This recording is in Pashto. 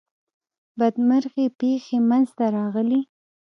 بدمرغي پیښی منځته راغلې.